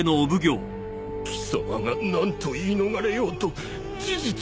貴様が何と言い逃れようと事実は変わらぬ。